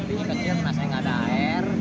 apinya kecil kenapa saya nggak ada air